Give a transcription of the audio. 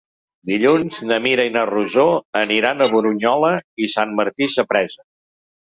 Dilluns na Mira i na Rosó aniran a Brunyola i Sant Martí Sapresa.